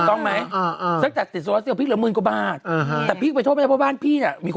ก็มาช่วยหารายเลยขึ้นมากก่อนไม่ติดอีก